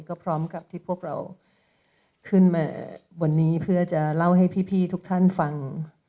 ก็พร้อมกับที่พวกเราขึ้นมาวันนี้เพื่อจะเล่าให้พี่ทุกท่านฟัง